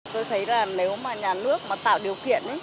tôi thấy là nếu mà nhà nước mà tạo điều kiện